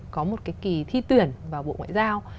có một cái kỳ thi tuyển vào bộ ngoại giao